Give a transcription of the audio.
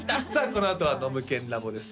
このあとはノムケンＬａｂ！です